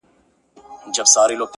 چيټ که د بل دئ، بدن خو دي خپل دئ.